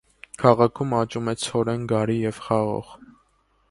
Քաղաքում աճում է ցորեն, գարի և խաղող։